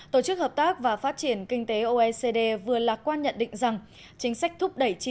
tổ chức hợp tác và phát triển kinh tế oecd vừa lạc quan nhận định rằng chính sách thúc đẩy chi